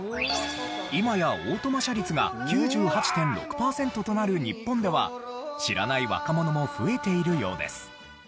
今やオートマ車率が９８．６パーセントとなる日本では知らない若者も増えているようです。